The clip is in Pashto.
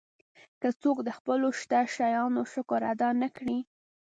که څوک د خپلو شته شیانو شکر ادا نه کړي.